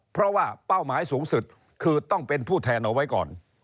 เพราะว่าเป้าหมายสูงสุดคือต้องเป็นผู้แทนเอาไว้ก่อน